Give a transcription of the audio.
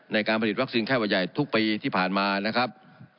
ในการผลิตวัคซีนไข้หวัดใหญ่ทุกปีที่ผ่านมานะครับ